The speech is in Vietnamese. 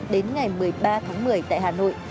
đến ngày một mươi ba tháng một mươi tại hà nội